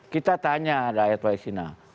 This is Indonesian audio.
kita tanya rakyat palestina